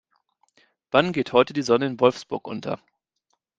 Wann geht heute die Sonne in Wolfsburg unter?